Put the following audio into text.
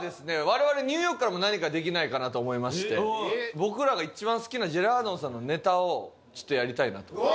我々ニューヨークからも何かできないかなと思いまして僕らが一番好きなジェラードンさんのネタをちょっとやりたいなと。